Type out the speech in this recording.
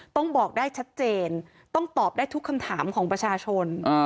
ต้องบอกได้ชัดเจนต้องตอบได้ทุกคำถามของประชาชน